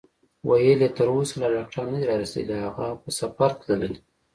ویل یې: تر اوسه لا ډاکټر نه دی رارسېدلی، هغه په سفر تللی.